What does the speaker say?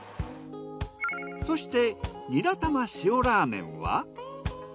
そしてニラたま塩ラーメンは。